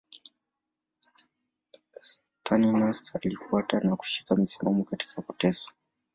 Saturninus alifuata na kushika msimamo katika kuteswa.